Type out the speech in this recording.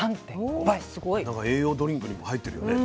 なんか栄養ドリンクにも入ってるよね